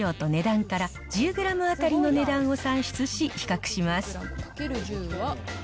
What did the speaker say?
かにかまの内容量と値段から、１０グラム当たりの値段を算出し、比較します。